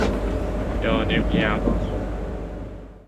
有女沘阳公主。